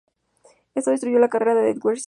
Esto, destruyó la carrera a Edwin Sierra.